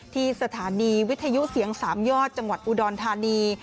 ที่สถานีวิทยุเสียงสามยอดจังหวัดอุดรธานี